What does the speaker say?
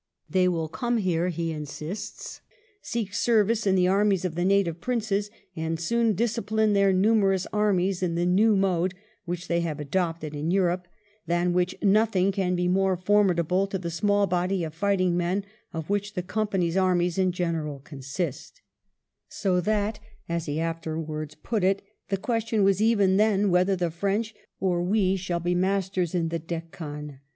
They will come here, he insists, seek service in the armies of the Native Princes, and soon "discipline their numerous armies in the n&w mode which they have adopted in Europe, than which nothing can be more formidable to the small body of fighting men of which the Company's armies in general consist;" so that, as he afterwards put it, the question was even then whether the French or we shall be masters in the Deccan.